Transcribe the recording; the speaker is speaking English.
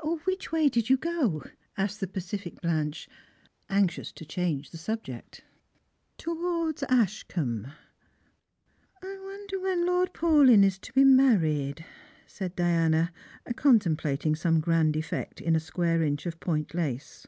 " Which way did you go ?" asked the pacific Blanche, anxious to change the subject. " Towards Ashcombe." " I wonder when Lord Paulyn is to be married ?" said Diana, contemplating some grand effect in a square inch of point lace.